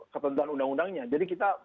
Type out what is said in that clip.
ketentuan undang undangnya jadi kita